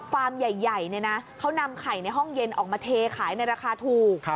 ใหญ่เขานำไข่ในห้องเย็นออกมาเทขายในราคาถูก